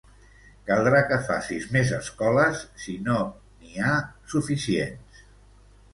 Caldrà que facis més escoles, si no n'hi ha suficients.